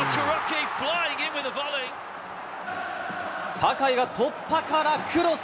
酒井が突破からクロス。